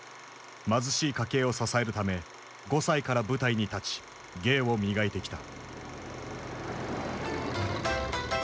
貧しい家計を支えるため５歳から舞台に立ち芸を磨いてきた。